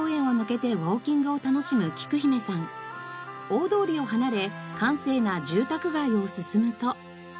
大通りを離れ閑静な住宅街を進むと。